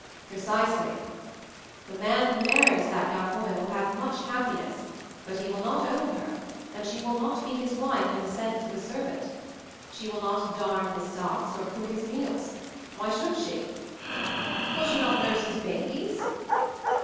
"Precisely. The man who marries that young woman will have much happiness, but 104 MOVING THE MOUNTAIN he will not 'own' her, and she will not be his wife in the sense of a servant. She will not darn his socks or cook his meals. Why should she?" "Will she not nurse his babies